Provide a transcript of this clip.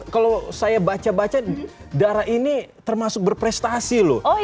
kalau saya baca baca dara ini termasuk berprestasi loh